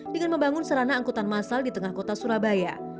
dengan membangun serana angkutan masal di tengah kota surabaya